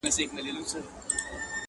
نه مي علم نه دولت سي ستنولای-